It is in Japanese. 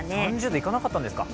３０度いかなかったんですか。